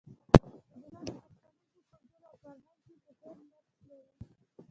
حجره د پښتانو په کلتور او فرهنګ کې مهم نقش لري